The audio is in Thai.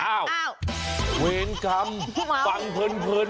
อ้าวเวรคำฟังเพลิน